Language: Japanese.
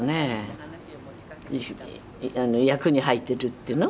役に入ってるっていうの？